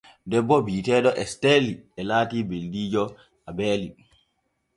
Debbo wi’eteeɗo Esiteeli e laati beldiijo Abeeli.